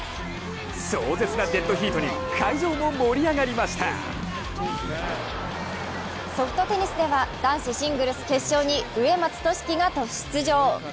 壮絶なデッドヒートに会場も盛り上がりましたソフトテニスでは男子シングルス決勝に上松俊貴が出場。